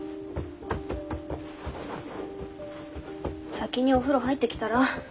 先にお風呂入ってきたら？